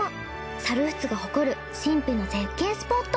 猿払が誇る神秘の絶景スポット。